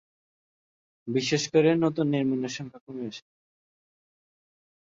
বিশেষ করে, নতুন নির্মাণের সংখ্যা কমে আসে।